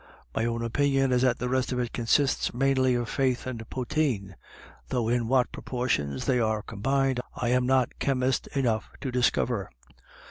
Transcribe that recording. My own opinion is that the rest of it consists mainly of faith and potheen, though in what proportions they are combined, I am not chemist enough to discover.